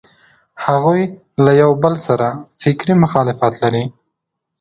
هغوی له یوبل سره فکري مخالفت لري.